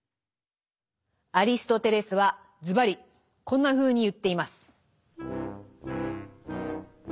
アリストテレスはズバリこんなふうに言っています。